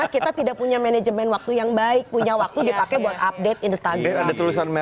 kita tidak punya manajemen waktu yang baik punya waktu dipakai buat update instagram